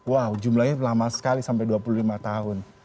wow jumlahnya lama sekali sampai dua puluh lima tahun